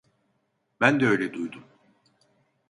Ben de öyle duydum.